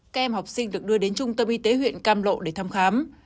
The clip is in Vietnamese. các em học sinh được đưa đến trung tâm y tế huyện cam lộ để thăm khám